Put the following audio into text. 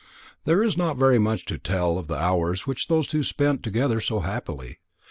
There is not very much to tell of the hours which those two spent together so happily.